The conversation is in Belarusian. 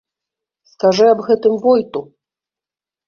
Скажы аб гэтым войту!